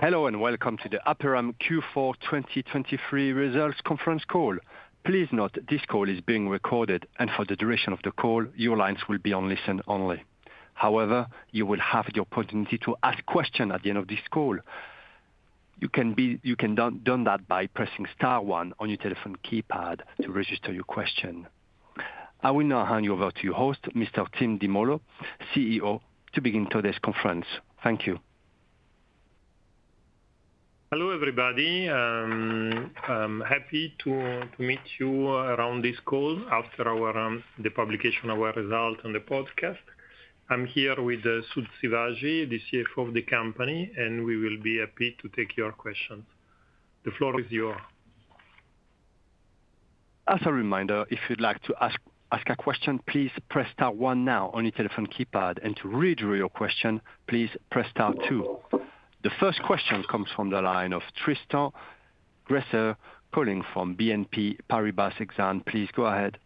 Hello and welcome to the Aperam Q4 2023 results conference call. Please note, this call is being recorded, and for the duration of the call, your lines will be on listen only. However, you will have the opportunity to ask questions at the end of this call. You can do that by pressing star one on your telephone keypad to register your question. I will now hand you over to your host, Mr. Tim Di Maulo, CEO, to begin today's conference. Thank you. Hello everybody. I'm happy to meet you around this call after the publication of our result on the podcast. I'm here with Sudhakar Sivaji, the CFO of the company, and we will be happy to take your questions. The floor is yours. As a reminder, if you'd like to ask a question, please press star one now on your telephone keypad, and to withdraw your question, please press star two. The first question comes from the line of Tristan Gresser, calling from BNP Paribas Exane. Please go ahead.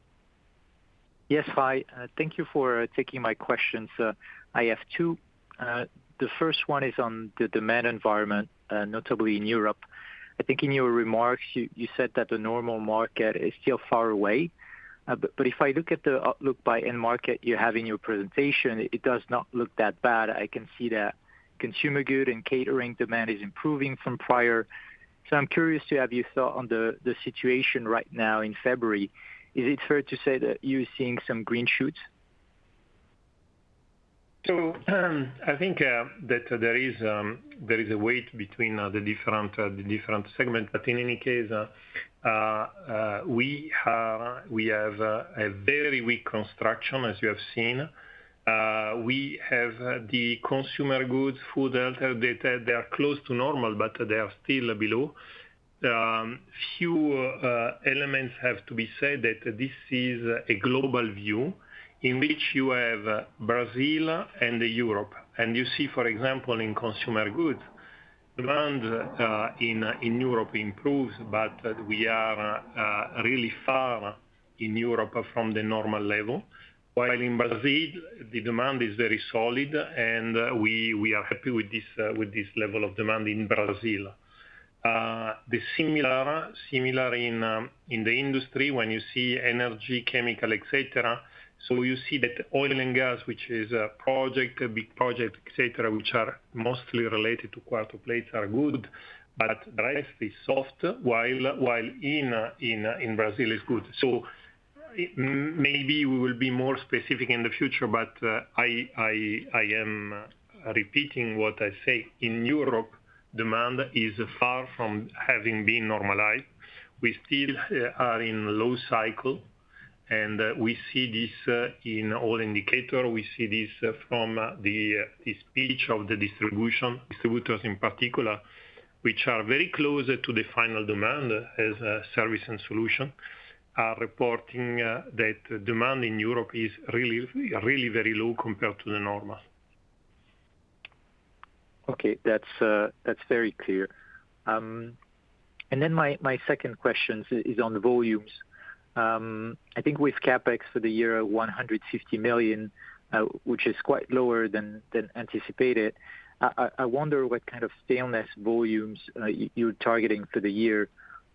Yes, hi. Thank you for taking my questions. I have two. The first one is on the demand environment, notably in Europe. I think in your remarks, you said that the normal market is still far away. But if I look at the outlook by end market you have in your presentation, it does not look that bad. I can see that consumer goods and catering demand is improving from prior. So I'm curious to have your thought on the situation right now in February. Is it fair to say that you're seeing some green shoots? So, I think that there is a weight between the different segments. But in any case, we have a very weak construction, as you have seen. We have the consumer goods, food, health data; they are close to normal, but they are still below. A few elements have to be said that this is a global view in which you have Brazil and Europe. And you see, for example, in consumer goods, demand in Europe improves, but we are really far in Europe from the normal level. While in Brazil, the demand is very solid, and we are happy with this level of demand in Brazil. It's similar in the industry, when you see energy, chemical, etc., so you see that oil and gas, which is a project, a big project, etc., which are mostly related to quarto plates, are good, but the rest is soft, while in Brazil is good. So, maybe we will be more specific in the future, but I am repeating what I say. In Europe, demand is far from having been normalized. We still are in low cycle, and we see this in all indicators. We see this from the speech of the distributors in particular, which are very close to the final demand as Services and Solutions, are reporting that demand in Europe is really, really very low compared to the normal. Okay. That's very clear. And then my second question is on volumes. I think with CapEx for the year, 150 million, which is quite lower than anticipated, I wonder what kind of stainless volumes you're targeting for the year.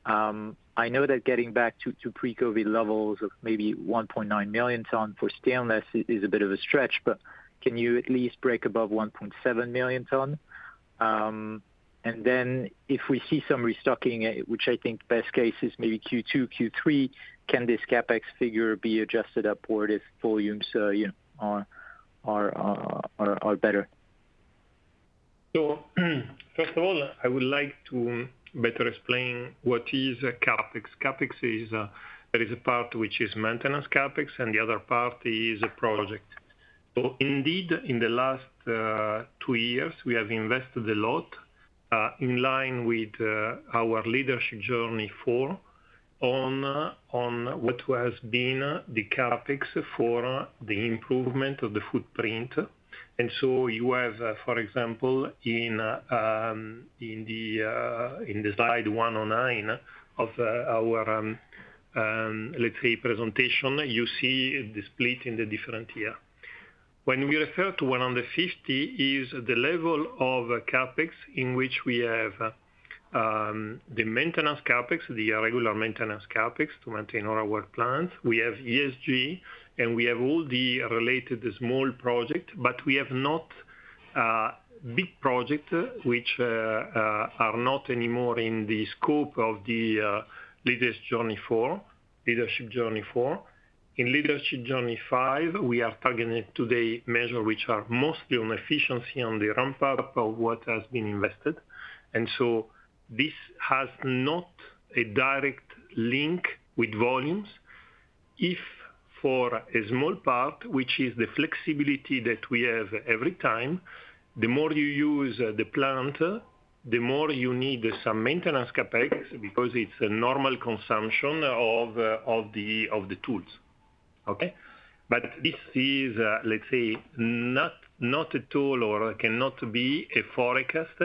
I know that getting back to pre-COVID levels of maybe 1.9 million tonnes for stainless is a bit of a stretch, but can you at least break above 1.7 million tonnes? And then if we see some restocking, which I think best case is maybe Q2, Q3, can this CapEx figure be adjusted upward if volumes, you know, are better? So, first of all, I would like to better explain what is CapEx. CapEx is, there is a part which is maintenance CapEx, and the other part is a project. So indeed, in the last two years, we have invested a lot, in line with our Leadership Journey 4 on, on what has been the CapEx for the improvement of the footprint. And so you have, for example, in the slide 109 of our, let's say, presentation, you see the split in the different year. When we refer to 150 is the level of CapEx in which we have the maintenance CapEx, the regular maintenance CapEx to maintain all our work plants. We have ESG, and we have all the related small projects, but we have not big projects which are not anymore in the scope of the Leadership Journey 4. In Leadership Journey 5, we are targeting today measures which are mostly on efficiency on the ramp-up of what has been invested. And so this has not a direct link with volumes. If for a small part, which is the flexibility that we have every time, the more you use the plant, the more you need some maintenance CapEx because it's a normal consumption of the tools. Okay? But this is, let's say, not at all or cannot be a forecast,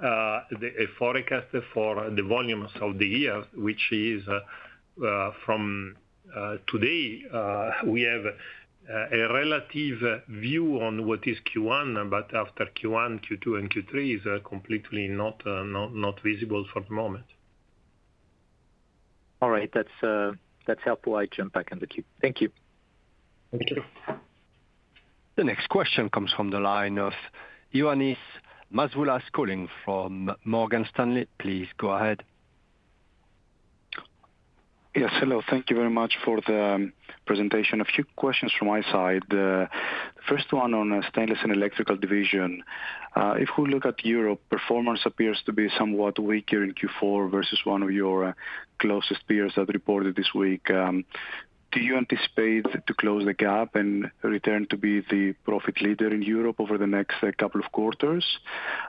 a forecast for the volumes of the year, which is, from today, we have a relative view on what is Q1, but after Q1, Q2 and Q3 is completely not visible for the moment. All right. That's, that's helpful. I jump back on the queue. Thank you. Thank you. The next question comes from the line of Ioannis Masvoulas, calling from Morgan Stanley. Please go ahead. Yes. Hello. Thank you very much for the presentation. A few questions from my side. The first one on Stainless and Electrical Division. If we look at Europe, performance appears to be somewhat weaker in Q4 versus one of your closest peers that reported this week. Do you anticipate to close the gap and return to be the profit leader in Europe over the next couple of quarters,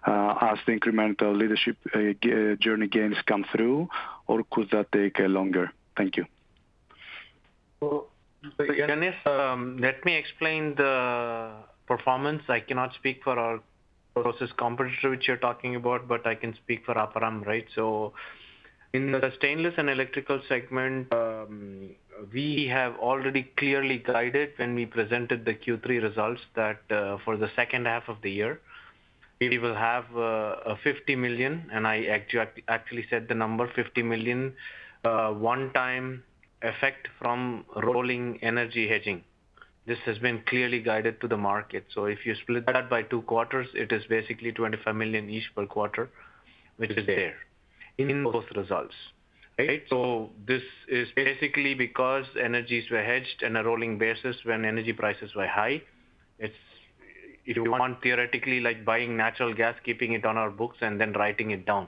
as the incremental Leadership Journey gains come through, or could that take longer? Thank you. Well, Ioannis, let me explain the performance. I cannot speak for our closest competitor which you're talking about, but I can speak for Aperam, right? So in the stainless and electrical segment, we have already clearly guided when we presented the Q3 results that, for the second half of the year, we will have, 50 million, and I actually said the number, 50 million, one-time effect from rolling energy hedging. This has been clearly guided to the market. So if you split that up by two quarters, it is basically 25 million each per quarter, which is there. Okay In both results, right? So this is basically because energies were hedged on a rolling basis when energy prices were high. It's if you want theoretically, like, buying natural gas, keeping it on our books, and then writing it down.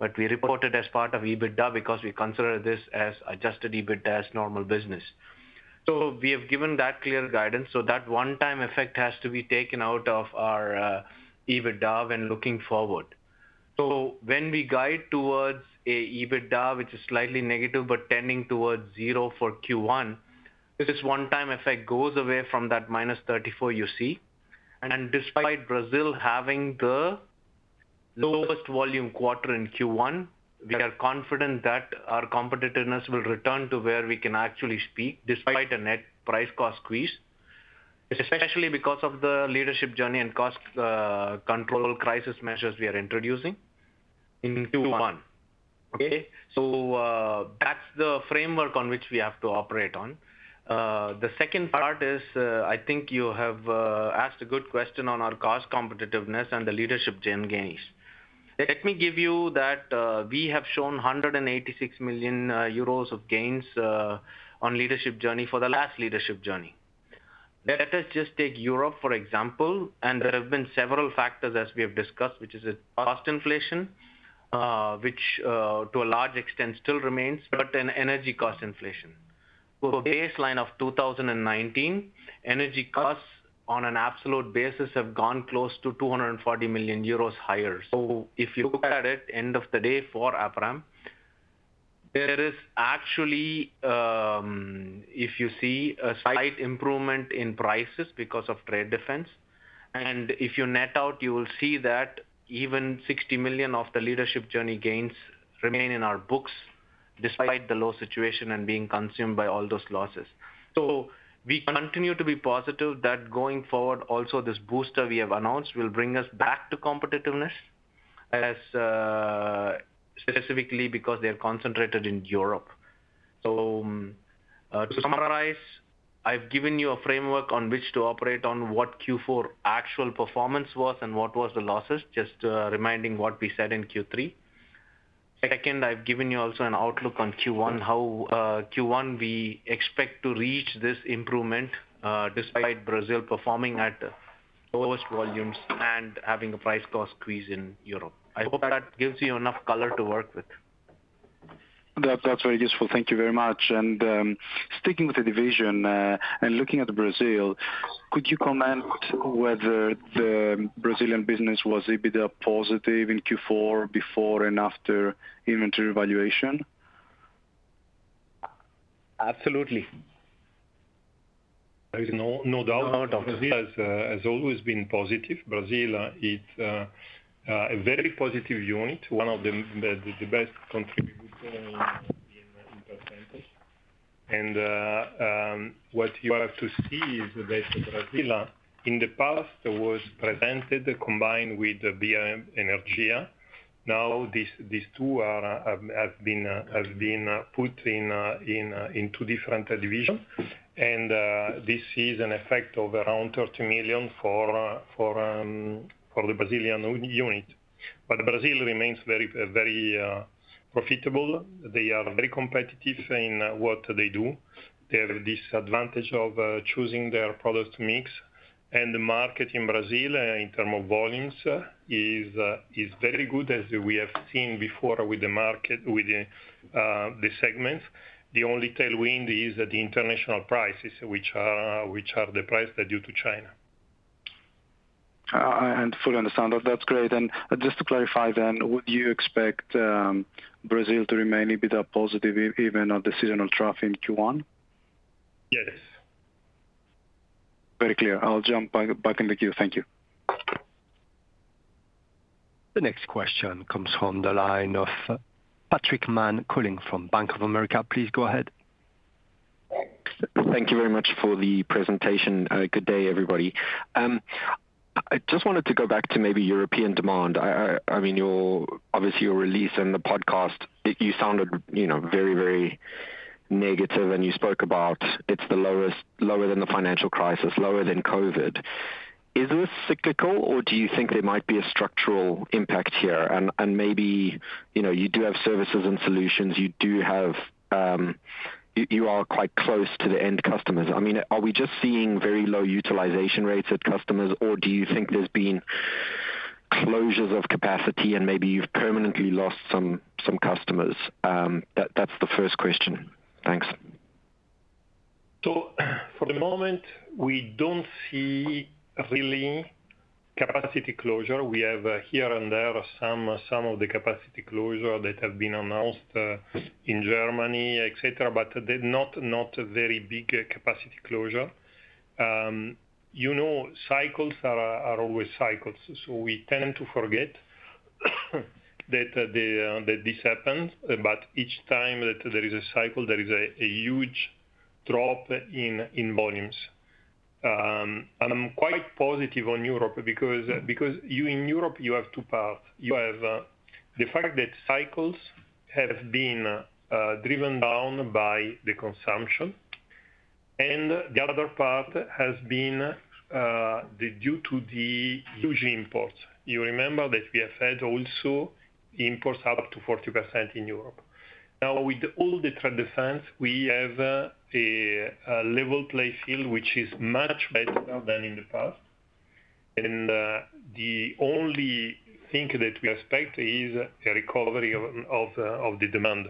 But we reported as part of EBITDA because we consider this as adjusted EBITDA as normal business. So we have given that clear guidance. So that one-time effect has to be taken out of our EBITDA when looking forward. So when we guide towards a EBITDA which is slightly negative but tending towards zero for Q1, this one-time effect goes away from that -34 you see. Despite Brazil having the lowest volume quarter in Q1, we are confident that our competitiveness will return to where we can actually speak despite a net price-cost squeeze, especially because of the Leadership Journey and cost control crisis measures we are introducing in Q1. Okay? So, that's the framework on which we have to operate on. The second part is, I think you have asked a good question on our cost competitiveness and the Leadership Journey, Ioannis. Let me give you that, we have shown 186 million euros of gains on Leadership Journey 4 the last Leadership Journey. Let us just take Europe, for example, and there have been several factors as we have discussed, which is a cost inflation, which to a large extent still remains, but an energy cost inflation. For baseline of 2019, energy costs on an absolute basis have gone close to 240 million euros higher. So if you look at it, end of the day for Aperam, there is actually, if you see, a slight improvement in prices because of Trade Defense. And if you net out, you will see that even 60 million of the Leadership Journey gains remain in our books despite the low situation and being consumed by all those losses. So we continue to be positive that going forward, also, this booster we have announced will bring us back to competitiveness as, specifically because they are concentrated in Europe. To summarize, I've given you a framework on which to operate on what Q4 actual performance was and what was the losses, just, reminding what we said in Q3. Second, I've given you also an outlook on Q1. Q1 we expect to reach this improvement, despite Brazil performing at lowest volumes and having a price-cost squeeze in Europe. I hope that gives you enough color to work with. That's very useful. Thank you very much. And, sticking with the division, and looking at Brazil, could you comment whether the Brazilian business was EBITDA positive in Q4 before and after inventory valuation? Absolutely. There is no doubt. No doubt. Has always been positive. Brazil, it's a very positive unit, one of the best contributors in percentage. And, what you have to see is that Brazil, in the past, was presented combined with BioEnergia. Now these two have been put in two different divisions. And, this is an effect of around 30 million for the Brazilian unit. But Brazil remains very profitable. They are very competitive in what they do. They have this advantage of choosing their product mix. And the market in Brazil, in terms of volumes, is very good as we have seen before with the market with the segments. The only tailwind is the international prices, which are the prices due to China. I can fully understand that. That's great. Just to clarify then, would you expect Brazil to remain EBITDA positive even on directional traffic in Q1? Yes. Very clear. I'll jump back in the queue. Thank you. The next question comes from the line of Patrick Mann, calling from Bank of America. Please go ahead. Thank you very much for the presentation. Good day, everybody. I just wanted to go back to maybe European demand. I mean, you're obviously, your release and the podcast, it, you sounded, you know, very, very negative, and you spoke about it's the lowest, lower than the financial crisis, lower than COVID. Is this cyclical, or do you think there might be a structural impact here? And maybe, you know, you do have Services and Solutions. You do have, you are quite close to the end customers. I mean, are we just seeing very low utilization rates at customers, or do you think there's been closures of capacity, and maybe you've permanently lost some customers? That's the first question. Thanks. So for the moment, we don't see really capacity closure. We have, here and there, some of the capacity closure that have been announced, in Germany, etc., but they're not very big capacity closure. You know, cycles are always cycles. So we tend to forget that this happens. But each time that there is a cycle, there is a huge drop in volumes. I'm quite positive on Europe because in Europe you have two parts. You have the fact that cycles have been driven down by the consumption. And the other part has been due to the huge imports. You remember that we have had also imports up to 40% in Europe. Now with all the trade defense, we have a level play field which is much better than in the past. The only thing that we expect is a recovery of the demand.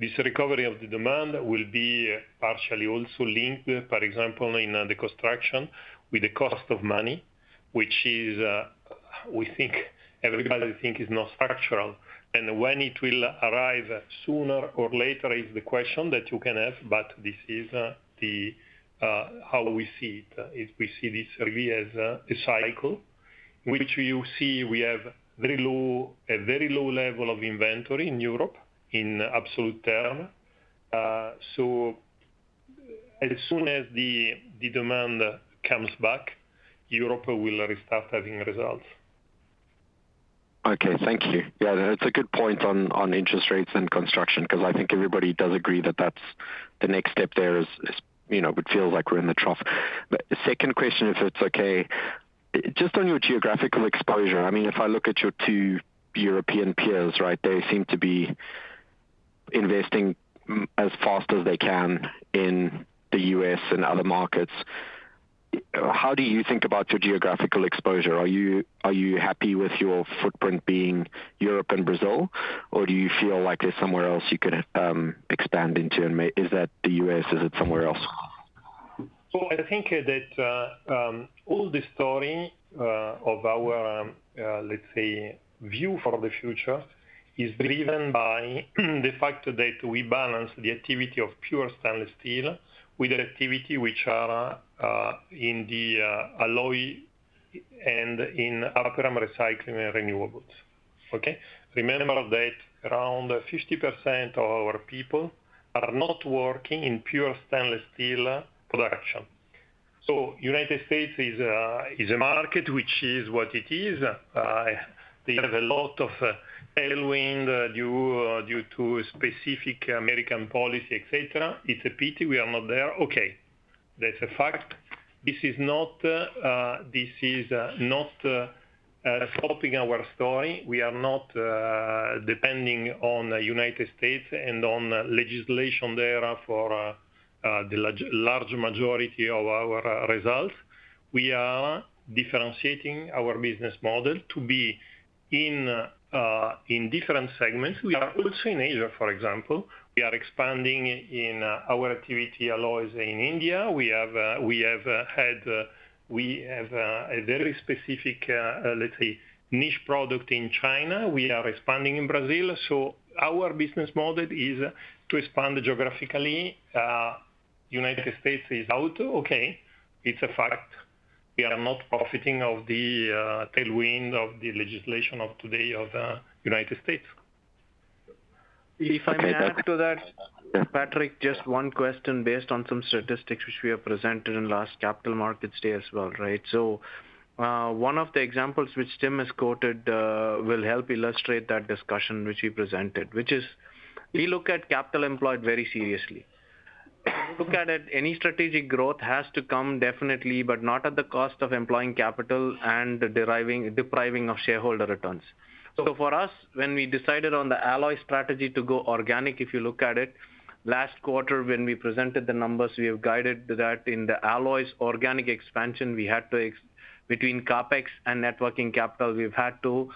This recovery of the demand will be partially also linked, for example, in the construction with the cost of money, which is, we think everybody thinks is non-structural. When it will arrive sooner or later is the question that you can have. But this is how we see it. We see this really as a cycle in which you see we have a very low level of inventory in Europe in absolute terms. So as soon as the demand comes back, Europe will restart having results. Okay. Thank you. Yeah. That's a good point on interest rates and construction because I think everybody does agree that that's the next step there is, you know, it feels like we're in the trough. But second question, if it's okay, just on your geographical exposure. I mean, if I look at your two European peers, right, they seem to be investing as fast as they can in the US and other markets. How do you think about your geographical exposure? Are you happy with your footprint being Europe and Brazil, or do you feel like there's somewhere else you could expand into? And maybe is that the US? Is it somewhere else? So I think that all the story of our, let's say, view for the future is driven by the fact that we balance the activity of pure stainless steel with the activity which are in the alloys and in Aperam Recycling and Renewables. Okay? Remember that around 50% of our people are not working in pure stainless steel production. So the United States is a market which is what it is. They have a lot of tailwind due to specific American policy, etc. It's a pity we are not there. Okay. That's a fact. This is not stopping our story. We are not depending on the United States and on legislation there for the large majority of our results. We are differentiating our business model to be in different segments. We are also in Asia, for example. We are expanding in our Alloys activity in India. We have a very specific, let's say, niche product in China. We are expanding in Brazil. So our business model is to expand geographically. United States is out. Okay. It's a fact. We are not profiting of the tailwind of the legislation of today of United States. If I may add to that, Patrick, just one question based on some statistics which we have presented in last Capital Markets Day as well, right? So, one of the examples which Tim has quoted, will help illustrate that discussion which he presented, which is we look at capital employed very seriously. We look at it any strategic growth has to come definitely, but not at the cost of employing capital thereby depriving of shareholder returns. So for us, when we decided on the alloy strategy to go organic, if you look at it, last quarter when we presented the numbers, we have guided that in the alloys organic expansion, we had to, between CapEx and working capital, we've had to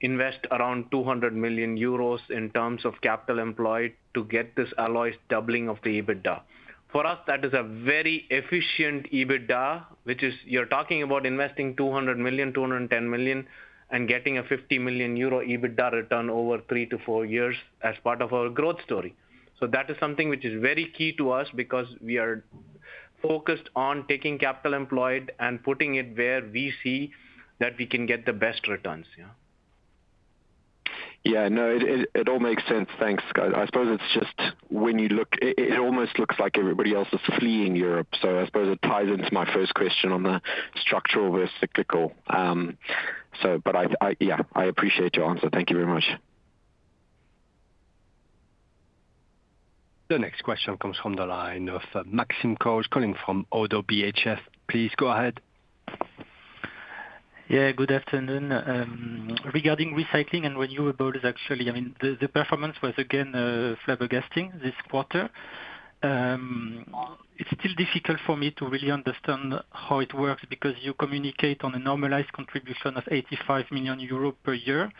invest around 200 million euros in terms of capital employed to get this alloys doubling of the EBITDA. For us, that is a very efficient EBITDA, which is you're talking about investing 200 million, 210 million, and getting a 50 million euro EBITDA return over three to four years as part of our growth story. So that is something which is very key to us because we are focused on taking capital employed and putting it where we see that we can get the best returns, yeah? Yeah. No, it all makes sense. Thanks, Scott. I suppose it's just when you look at it, it almost looks like everybody else is fleeing Europe. So I suppose it ties into my first question on the structural versus cyclical. But yeah. I appreciate your answer. Thank you very much. The next question comes from the line of Maxime Kogge, calling from Oddo BHF. Please go ahead. Yeah. Good afternoon. Regarding Recycling and Renewables, actually, I mean, the performance was again flabbergasting this quarter. It's still difficult for me to really understand how it works because you communicate on a normalized contribution of 85 million euro per year.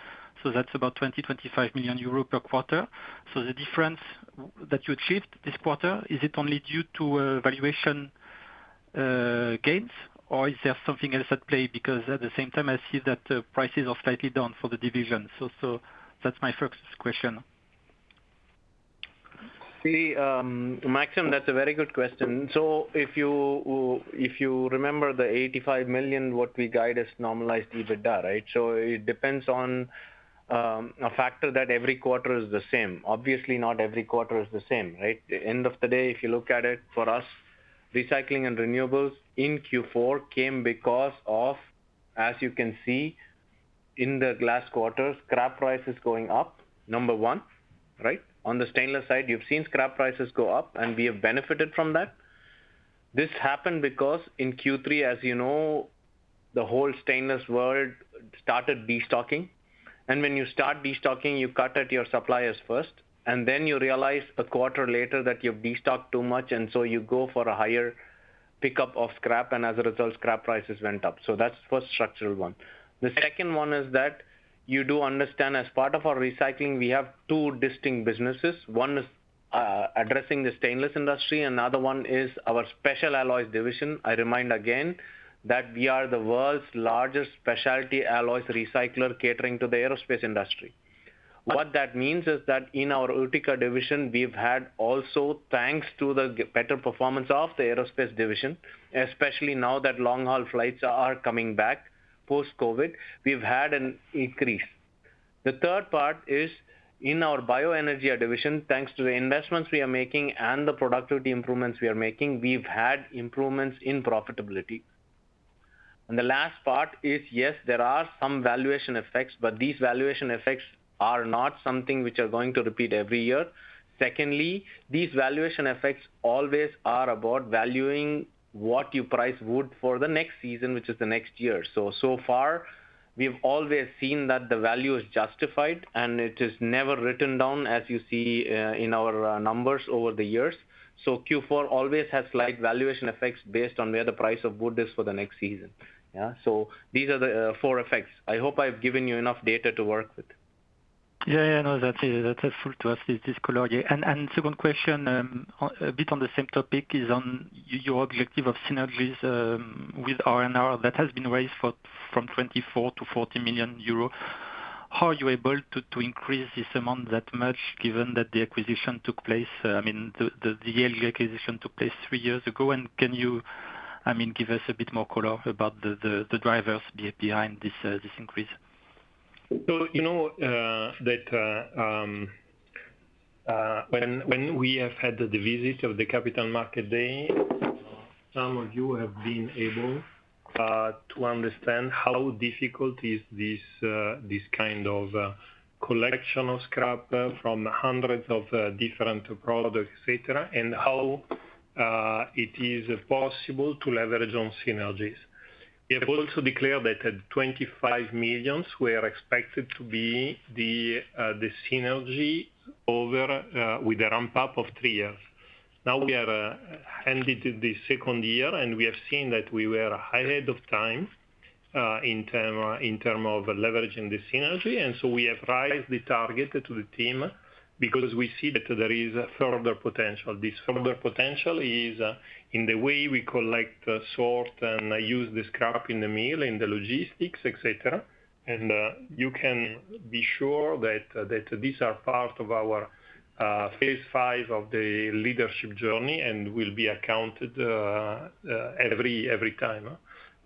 So that's about 20 million-25 million euro per quarter. So the difference that you achieved this quarter, is it only due to valuation gains, or is there something else at play? Because at the same time, I see that prices are slightly down for the division. So that's my first question. See, Maxim, that's a very good question. So if you remember the 85 million, what we guide as normalized EBITDA, right? So it depends on a factor that every quarter is the same. Obviously, not every quarter is the same, right? End of the day, if you look at it, for us, recycling and renewables in Q4 came because of, as you can see in the last quarter, scrap prices going up, number one, right? On the stainless side, you've seen scrap prices go up, and we have benefited from that. This happened because in Q3, as you know, the whole stainless world started destocking. And when you start destocking, you cut at your suppliers first. And then you realize a quarter later that you've destocked too much, and so you go for a higher pickup of scrap. And as a result, scrap prices went up. So that's the first structural one. The second one is that you do understand as part of our recycling, we have two distinct businesses. One is, addressing the stainless industry, and the other one is our special alloys division. I remind again that we are the world's largest specialty alloys recycler catering to the aerospace industry. What that means is that in our Utica division, we've had also thanks to the better performance of the aerospace division, especially now that long-haul flights are coming back post-COVID, we've had an increase. The third part is in our bioenergy division, thanks to the investments we are making and the productivity improvements we are making, we've had improvements in profitability. And the last part is, yes, there are some valuation effects, but these valuation effects are not something which are going to repeat every year. Secondly, these valuation effects always are about valuing what you price wood for the next season, which is the next year. So, so far, we've always seen that the value is justified, and it is never written down, as you see, in our numbers over the years. Q4 always has slight valuation effects based on where the price of wood is for the next season, yeah? So these are the four effects. I hope I've given you enough data to work with. Yeah. Yeah. No, that's easy. That's helpful to us, this color here. And second question, on a bit on the same topic is on your objective of synergies with R&R that has been raised from 24 million-40 million euros. How are you able to increase this amount that much given that the acquisition took place, I mean, the yearly acquisition took place three years ago? And can you, I mean, give us a bit more color about the drivers behind this increase? So, you know, that when we have had the visit of the Capital Markets Day, some of you have been able to understand how difficult this kind of collection of scrap from hundreds of different products, etc., is and how it is possible to leverage on synergies. We have also declared that at 25 million, we are expected to be the synergy over with a ramp-up of three years. Now we are in the second year, and we have seen that we were ahead of time in terms of leveraging the synergy. So we have raised the target to the team because we see that there is further potential. This further potential is in the way we collect, sort, and use the scrap in the mill, in the logistics, etc. You can be sure that these are part of our phase V of the Leadership Journey and will be accounted every time.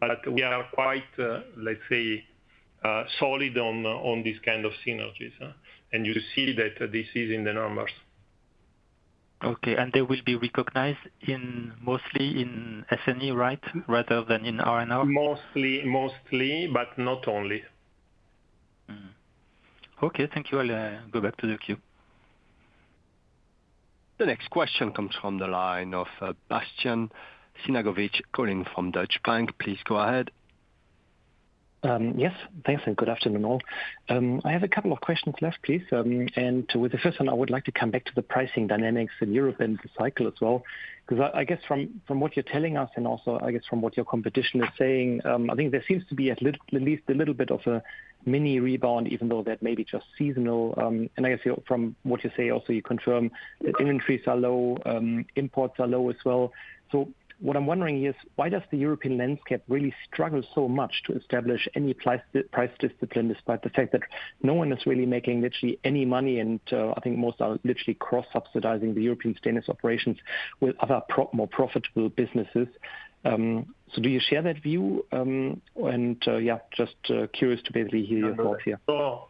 But we are quite, let's say, solid on this kind of synergies. You see that this is in the numbers. Okay. They will be recognized mostly in S&E, right, rather than in R&R? Mostly, mostly, but not only. Okay. Thank you. I'll go back to the queue. The next question comes from the line of Bastian Synagowitz, calling from Deutsche Bank. Please go ahead. Yes. Thanks, and good afternoon all. I have a couple of questions left, please. And with the first one, I would like to come back to the pricing dynamics in Europe and the cycle as well because I guess from what you're telling us and also, I guess, from what your competition is saying, I think there seems to be at least a little bit of a mini rebound, even though that may be just seasonal. And I guess from what you say also, you confirm that inventories are low, imports are low as well. So what I'm wondering here is why does the European landscape really struggle so much to establish any price discipline despite the fact that no one is really making literally any money? And, I think most are literally cross-subsidizing the European stainless operations with other more profitable businesses. So do you share that view? Yeah, just curious to basically hear your thoughts here. So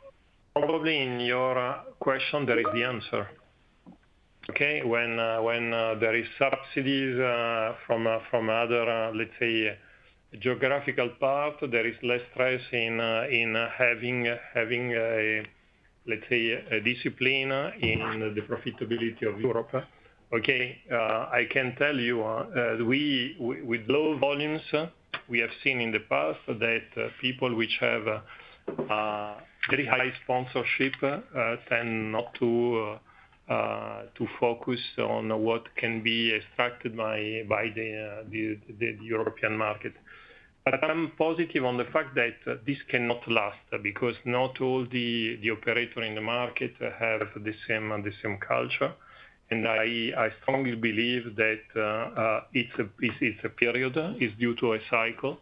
probably in your question, there is the answer. Okay? When there are subsidies from other, let's say, geographical parts, there is less stress in having a discipline in the profitability of Europe. Okay? I can tell you, with low volumes, we have seen in the past that people which have very high sponsorship tend not to focus on what can be extracted by the European market. But I'm positive on the fact that this cannot last because not all the operators in the market have the same culture. And I strongly believe that it's a period. It's due to a cycle.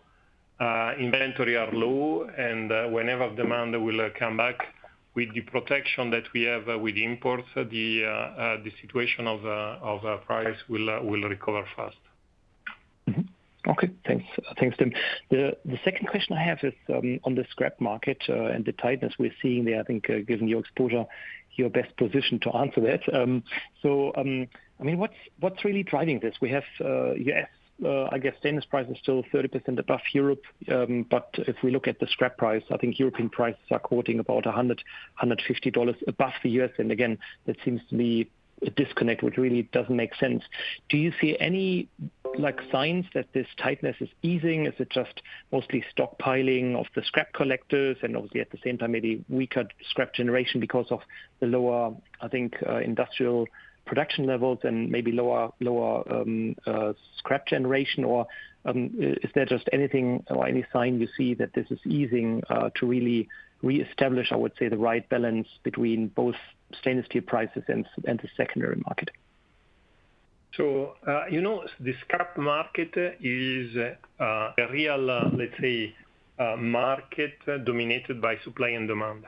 Inventory are low. And whenever demand will come back with the protection that we have with imports, the situation of prices will recover fast. Mm-hmm. Okay. Thanks. Thanks, Tim. The second question I have is on the scrap market and the tightness we're seeing there. I think, given your exposure, you're best positioned to answer that. So, I mean, what's really driving this? We have U.S, I guess, stainless price is still 30% above Europe. But if we look at the scrap price, I think European prices are quoting about $100-$150 above the US. And again, that seems to be a disconnect, which really doesn't make sense. Do you see any, like, signs that this tightness is easing? Is it just mostly stockpiling of the scrap collectors and obviously at the same time maybe weaker scrap generation because of the lower, I think, industrial production levels and maybe lower scrap generation? Or, is there just anything or any sign you see that this is easing, to really reestablish, I would say, the right balance between both stainless steel prices and s and the secondary market? So, you know, the scrap market is a real, let's say, market dominated by supply and demand.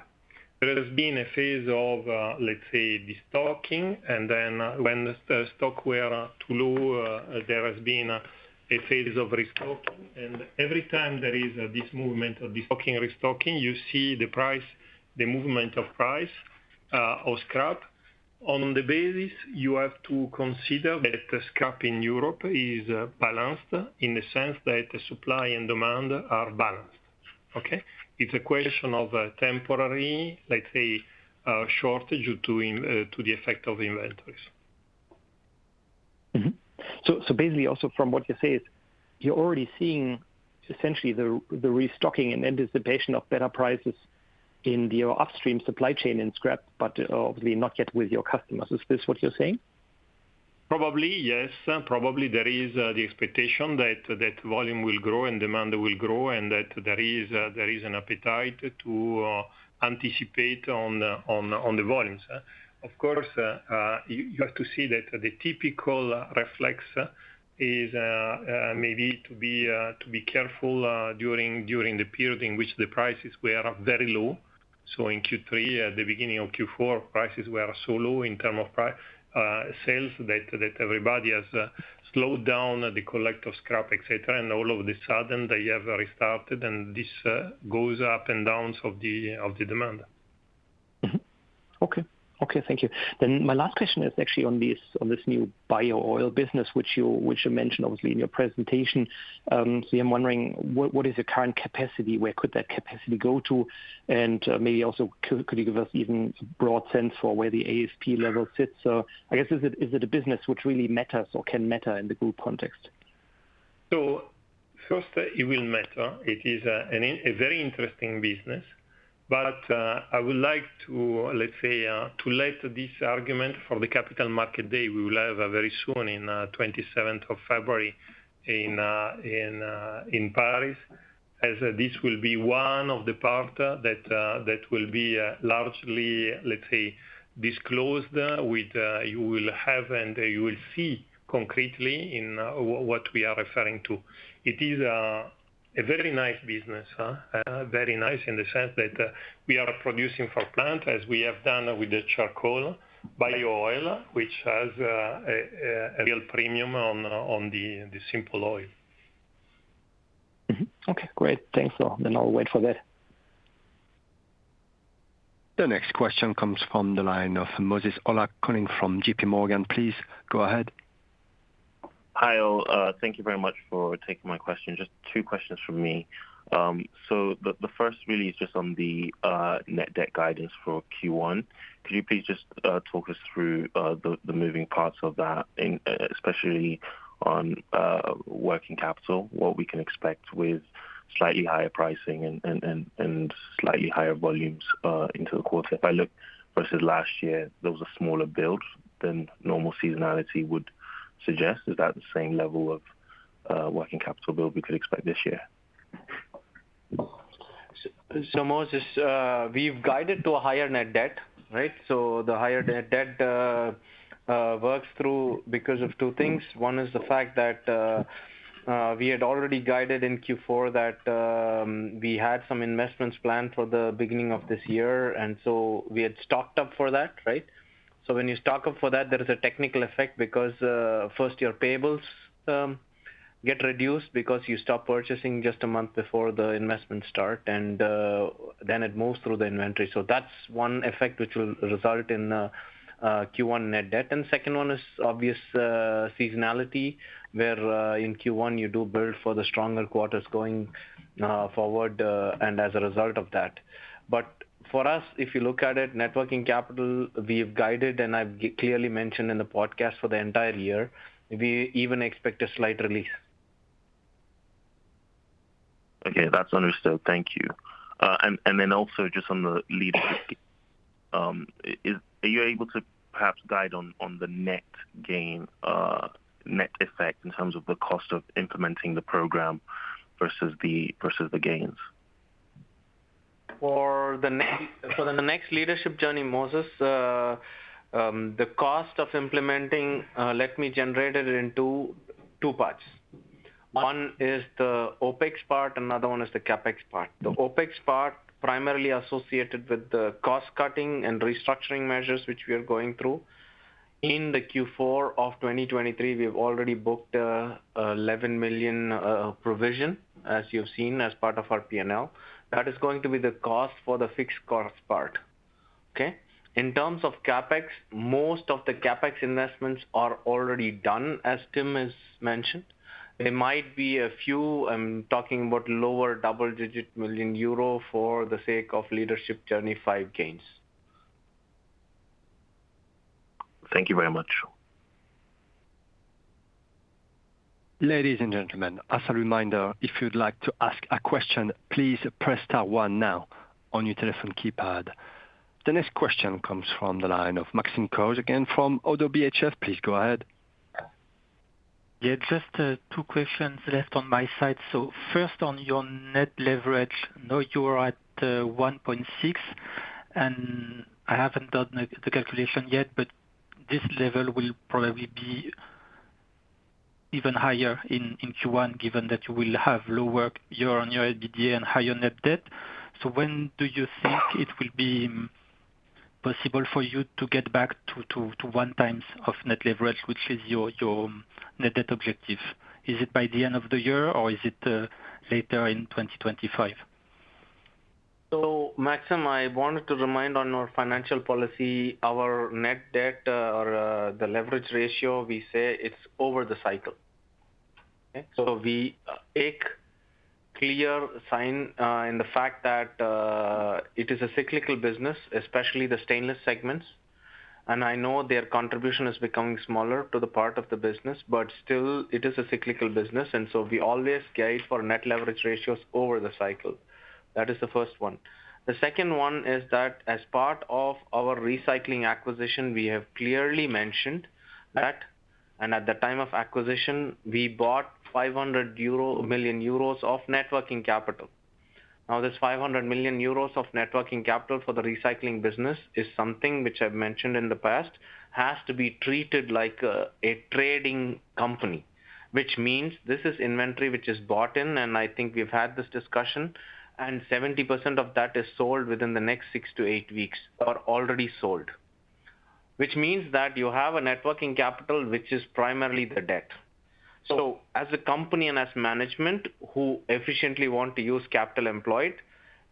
There has been a phase of, let's say, destocking. And then when the stocks were too low, there has been a phase of restocking. And every time there is this movement of destocking, restocking, you see the movement of price of scrap. On the basis, you have to consider that scrap in Europe is balanced in the sense that supply and demand are balanced. Okay? It's a question of a temporary, let's say, shortage due to the effect of inventories. Mm-hmm. So, so basically also from what you say is you're already seeing essentially the restocking in anticipation of better prices in your upstream supply chain in scrap, but, obviously not yet with your customers. Is this what you're saying? Probably, yes. Probably there is the expectation that volume will grow and demand will grow and that there is an appetite to anticipate on the volumes. Of course, you have to see that the typical reflex is maybe to be careful during the period in which the prices were very low. In Q3, at the beginning of Q4, prices were so low in terms of price sales that everybody has slowed down the collection of scrap, etc. And all of a sudden, they have restarted. And this goes up and downs of the demand. Mm-hmm. Okay. Okay. Thank you. Then my last question is actually on this new bio-oil business, which you mentioned obviously in your presentation. So I'm wondering, what is your current capacity? Where could that capacity go to? And, maybe also could you give us even a broad sense for where the ASP level sits? So I guess is it a business which really matters or can matter in the group context? So first, it will matter. It is a very interesting business. But I would like to, let's say, let this argument for the Capital Markets Day we will have very soon in the 27th of February in Paris, as this will be one of the part that will be largely, let's say, disclosed with you will have and you will see concretely in what we are referring to. It is a very nice business, very nice in the sense that we are producing for plant as we have done with the charcoal bio-oil, which has a real premium on the simple oil. Mm-hmm. Okay. Great. Thanks, Paul. Then I'll wait for that. The next question comes from the line of Moses Sherwood, calling from JP Morgan. Please go ahead. Hi, all. Thank you very much for taking my question. Just two questions from me. So the first really is just on the net debt guidance for Q1. Could you please just talk us through the moving parts of that in especially on working capital, what we can expect with slightly higher pricing and slightly higher volumes into the quarter? If I look versus last year, those are smaller builds than normal seasonality would suggest. Is that the same level of working capital build we could expect this year? So Moses, we've guided to a higher net debt, right? So the higher net debt works through because of two things. One is the fact that we had already guided in Q4 that we had some investments planned for the beginning of this year. And so we had stocked up for that, right? So when you stock up for that, there is a technical effect because first, your payables get reduced because you stop purchasing just a month before the investments start. And then it moves through the inventory. So that's one effect which will result in Q1 net debt. And second one is obvious, seasonality where in Q1, you do build for the stronger quarters going forward, and as a result of that. But for us, if you look at it, working capital, we've guided and I've clearly mentioned in the podcast for the entire year, we even expect a slight release. Okay. That's understood. Thank you. And then also just on the Leadership Journey. Are you able to perhaps guide on the net gain, net effect in terms of the cost of implementing the program versus the gains? For the next Leadership Journey, Moses, the cost of implementing, let me generate it in two parts. One is the OpEx part. Another one is the CapEx part. The OpEx part primarily associated with the cost-cutting and restructuring measures which we are going through. In the Q4 of 2023, we've already booked 11 million provision, as you've seen, as part of our P&L. That is going to be the cost for the fixed cost part. Okay? In terms of CapEx, most of the CapEx investments are already done, as Tim has mentioned. There might be a few. I'm talking about lower double-digit million EUR for the sake of Leadership Journey 5 gains. Thank you very much. Ladies and gentlemen, as a reminder, if you'd like to ask a question, please press star 1 now on your telephone keypad. The next question comes from the line of Maxime Kogge again from Oddo BHF. Please go ahead. Yeah. Just two questions left on my side. So first, on your net leverage, now you are at 1.6. And I haven't done the calculation yet, but this level will probably be even higher in Q1 given that you will have lower your annual EBITDA and higher net debt. So when do you think it will be possible for you to get back to 1x net leverage, which is your net debt objective? Is it by the end of the year, or is it later in 2025? So Maxime, I wanted to remind on our financial policy, our net debt, or the leverage ratio. We say it's over the cycle. Okay? So we take clear sign in the fact that it is a cyclical business, especially the stainless segments. And I know their contribution is becoming smaller to the part of the business, but still, it is a cyclical business. And so we always guide for net leverage ratios over the cycle. That is the first one. The second one is that as part of our recycling acquisition, we have clearly mentioned that. And at the time of acquisition, we bought 500 million euro of working capital. Now, this 500 million euros of working capital for the recycling business is something which I've mentioned in the past has to be treated like a trading company, which means this is inventory which is bought in. I think we've had this discussion. 70% of that is sold within the next 6-8 weeks or already sold, which means that you have a working capital which is primarily the debt. So as a company and as management who efficiently want to use capital employed,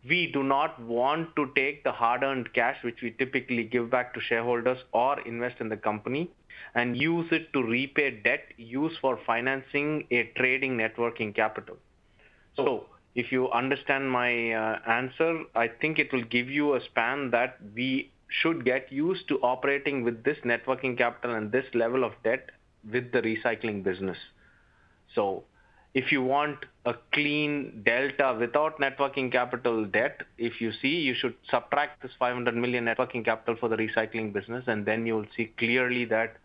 we do not want to take the hard-earned cash, which we typically give back to shareholders or invest in the company, and use it to repay debt used for financing a trading working capital. So if you understand my answer, I think it will give you a sense that we should get used to operating with this working capital and this level of debt with the recycling business. So if you want a clean delta without working capital debt, you see, you should subtract this 500 million working capital for the recycling business. Then you will see clearly that,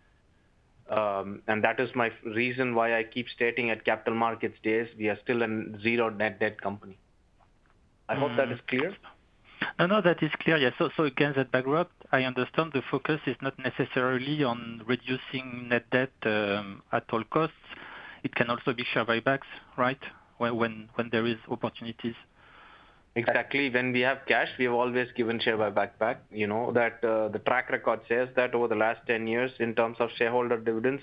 and that is my first reason why I keep stating at Capital Markets Days, we are still a zero net debt company. I hope that is clear. No, no. That is clear. Yeah. So, so again, Sudhakar, I understand the focus is not necessarily on reducing net debt, at all costs. It can also be share buybacks, right, when, when, when there is opportunities? Exactly. When we have cash, we have always given share buyback back, you know, that the track record says that over the last 10 years, in terms of shareholder dividends,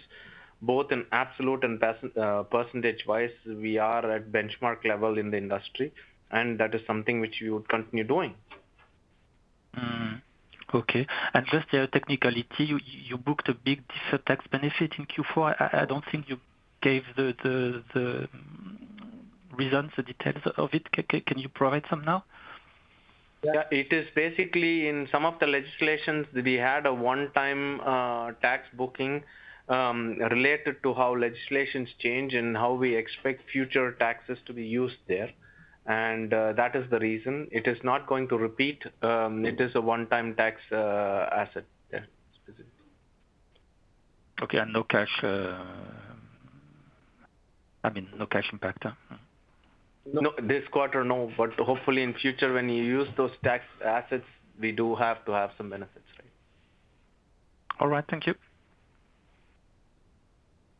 both in absolute and percent percentage-wise, we are at benchmark level in the industry. And that is something which we would continue doing. Okay. Just a technicality, you booked a big deferred tax benefit in Q4. I don't think you gave the reasons, the details of it. Can you provide some now? Yeah. It is basically in some of the legislations, we had a one-time tax booking related to how legislations change and how we expect future taxes to be used there. And that is the reason. It is not going to repeat. It is a one-time tax asset there, specifically. Okay. No cash, I mean, no cash impact, huh? No, no. This quarter, no. But hopefully in future, when you use those tax assets, we do have to have some benefits, right? All right. Thank you.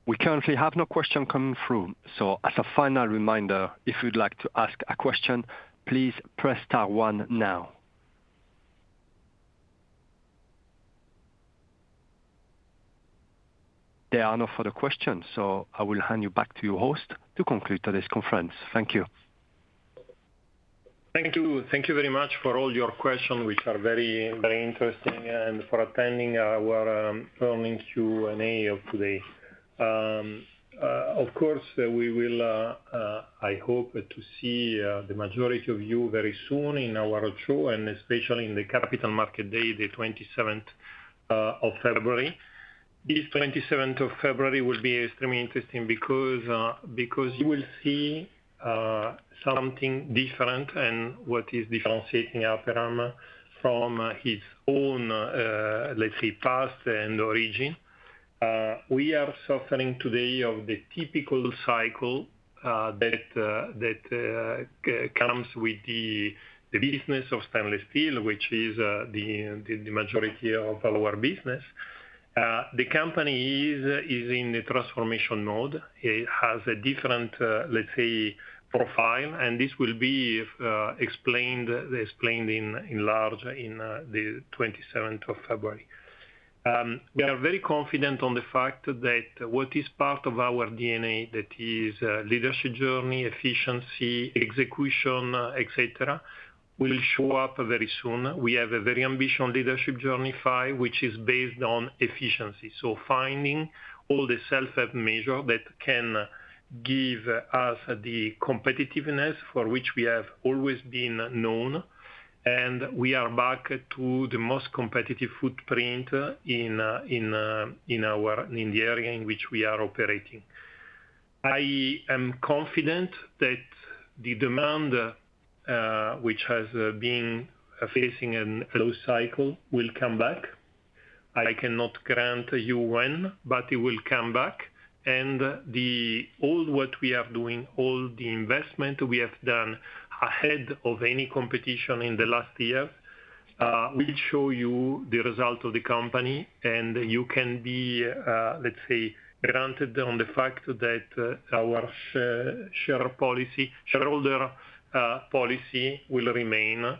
We currently have no question coming through. As a final reminder, if you'd like to ask a question, please press star 1 now. There are no further questions. I will hand you back to your host to conclude today's conference. Thank you. Thank you. Thank you very much for all your questions, which are very, very interesting, and for attending our earnings Q&A of today. Of course, we will, I hope, see the majority of you very soon in our show and especially in the Capital Markets Day, the 27th of February. This 27th of February will be extremely interesting because you will see something different and what is differentiating Aperam from his own, let's say, past and origin. We are suffering today of the typical cycle that comes with the business of stainless steel, which is the majority of our business. The company is in the transformation mode. It has a different, let's say, profile. And this will be explained in large in the 27th of February. We are very confident on the fact that what is part of our DNA that is, Leadership Journey, efficiency, execution, etc., will show up very soon. We have a very ambitious Leadership Journey 5, which is based on efficiency, so finding all the self-help measures that can give us the competitiveness for which we have always been known. And we are back to the most competitive footprint in the area in which we are operating. I am confident that the demand, which has been facing a low cycle, will come back. I cannot grant you when, but it will come back. And all that we are doing, all the investment we have done ahead of any competition in the last year, will show you the result of the company. You can be, let's say, granted on the fact that our shareholder policy will remain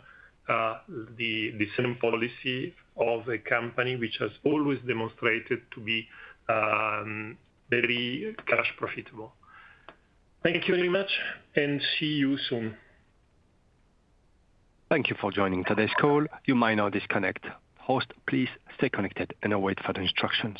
the same policy of a company which has always demonstrated to be very cash profitable. Thank you very much. And see you soon. Thank you for joining today's call. You might now disconnect. Host, please stay connected and await further instructions.